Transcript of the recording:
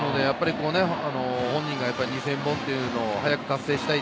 本人が２０００本を早く達成したい。